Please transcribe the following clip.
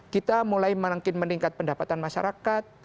kita mulai makin meningkat pendapatan masyarakat